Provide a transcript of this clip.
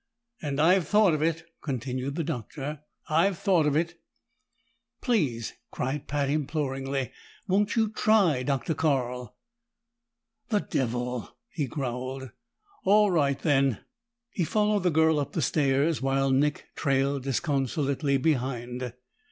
"And I've thought of it," continued the Doctor. "I've thought of it!" "Please!" cried Pat imploringly. "Won't you try, Dr. Carl?" "The devil!" he growled. "All right, then." He followed the girl up the stairs, while Nick trailed disconsolately behind.